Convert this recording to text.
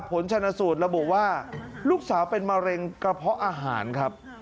ผลชนสูตรระบุว่าลูกสาวเป็นมะเร็งกระเพาะอาหารครับ